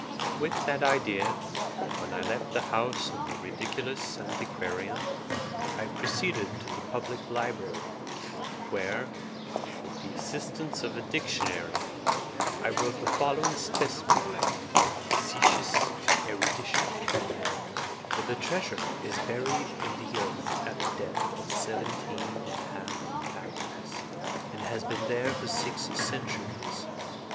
With that idea, when I left the house of the ridiculous antiquarian, I proceeded to the public library, where, with the assistance of a dictionary, I wrote the following specimen of facetious erudition: "The treasure is buried in the earth at a depth of seventeen and a half fathoms, and has been there for six centuries.